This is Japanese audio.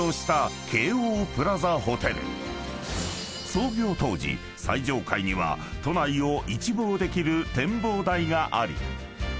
［創業当時最上階には都内を一望できる展望台があり］